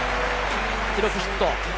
記録はヒット。